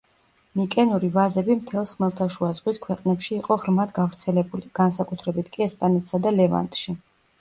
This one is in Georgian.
მიკენური ვაზები მთელს ხმელთაშუა ზღვის ქვეყნებში იყო ღრმად გავრცელებული, განსაკუთრებით კი ესპანეთსა და ლევანტში.